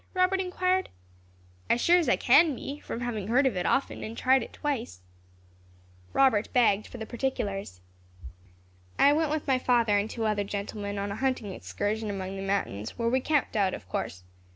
Robert inquired. "As sure as I can be, from having heard of it often, and tried it twice." Robert begged for the particulars. "I went with my father and two other gentlemen, on a hunting excursion among the mountains, where we camped out, of course.